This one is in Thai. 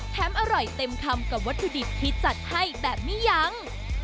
อร่อยเต็มคำกับวัตถุดิบที่จัดให้แบบไม่ยั้ง